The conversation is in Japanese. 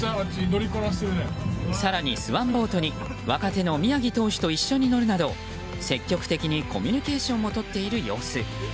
更にスワンボートに若手の宮城投手と一緒に乗るなど、積極的にコミュニケーションをとっている様子。